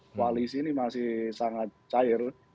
koalisi ini masih sangat cair